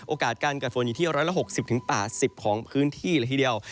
โอกาสการเกิดฝนอยู่ที่๑๖๐๘๐ของพื้นที่เลยทีเดียว